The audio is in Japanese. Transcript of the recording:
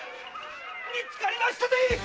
見つかりましたぜ！